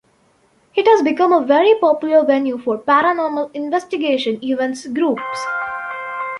It has become a very popular venue for paranormal investigation events groups.